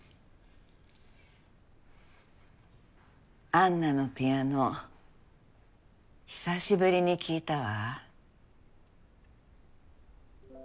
安奈のピアノ久しぶりに聴いたわ。